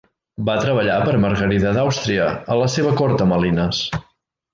Va treballar per a Margarida d'Àustria, a la seva cort a Malines.